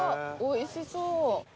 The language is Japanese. おいしそう。